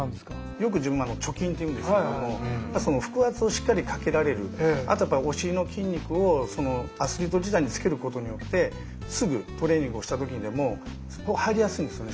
よく自分は「貯金」っていうんですけども腹圧をしっかりかけられるあとやっぱりお尻の筋肉をアスリート時代につけることによってすぐトレーニングをした時でも入りやすいんですよね